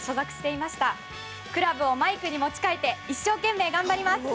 クラブをマイクに持ち替えて一生懸命頑張ります。